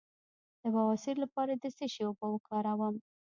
د بواسیر لپاره د څه شي اوبه وکاروم؟